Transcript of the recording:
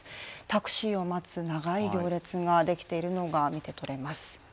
タクシーを待つ長い行列ができているのが見て取れます。